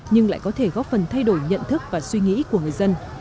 nhưng lại có thể góp phần thay đổi nhận thức và suy nghĩ của người dân